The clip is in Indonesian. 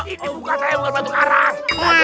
itu bukan saya bukan batu karang